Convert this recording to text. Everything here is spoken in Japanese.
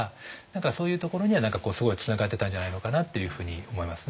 何かそういうところには何かすごいつながってたんじゃないのかなっていうふうに思いますね。